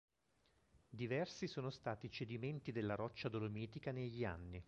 Diversi sono stati i cedimenti della roccia dolomitica negli anni.